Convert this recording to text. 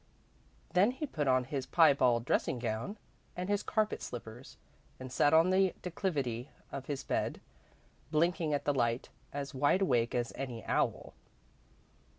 Then he put on his piebald dressing gown and his carpet slippers, and sat on the declivity of his bed, blinking at the light, as wide awake as any owl.